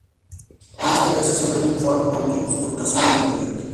En este caso se habla de un "fork" o bifurcación de un proyecto.